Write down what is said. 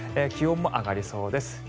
気温も上がりそうです。